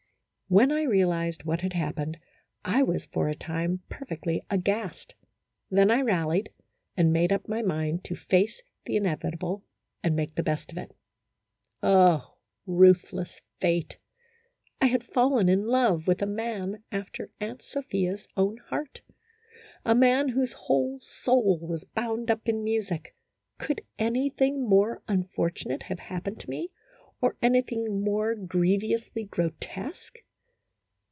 When I realized what had happened, I was for a time perfectly aghast; then I rallied, and made up my mind to face the inevitable and make the best of it. Oh, ruthless fate ! I had fallen in love with a man after Aunt Sophia's own heart : a man whose whole soul was bound up in music. Could anything more unfortunate have happened to me, or anything more grievously grotesque